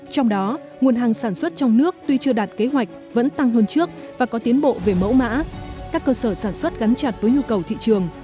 trong đó nguồn hàng sản xuất trong nước tuy chưa đạt kế hoạch vẫn tăng hơn trước và có tiến bộ về mẫu mã các cơ sở sản xuất gắn chặt với nhu cầu thị trường